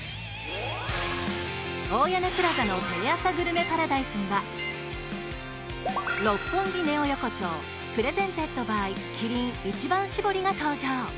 大屋根プラザの「テレアサグルメパラダイス」には「六本木ネオ横丁ｐｒｅｓｅｎｔｅｄｂｙキリン一番搾り」が登場。